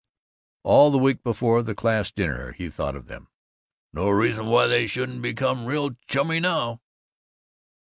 All the week before the class dinner he thought of them. "No reason why we shouldn't become real chummy now!"